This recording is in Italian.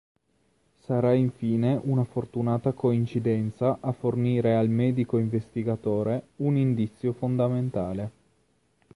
Sarà infine una fortunata coincidenza a fornire al medico-investigatore un indizio fondamentale.